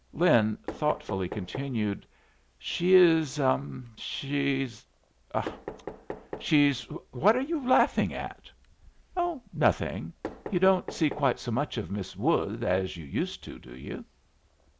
Lin thoughtfully continued. "She is she's she's what are you laughin' at?" "Oh, nothing. You don't see quite so much of Miss Wood as you used to, do you?"